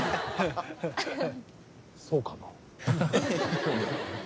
そうかな？